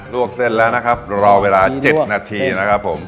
วกเส้นแล้วนะครับรอเวลา๗นาทีนะครับผม